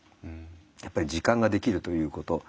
やっぱり時間ができるということ。